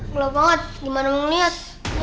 gelap banget gimana mau liat